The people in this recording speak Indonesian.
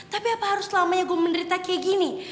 tapi apa harus selamanya gue menderita kayak gini